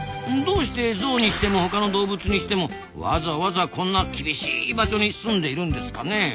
どうしてゾウにしても他の動物にしてもわざわざこんな厳しい場所にすんでいるんですかね？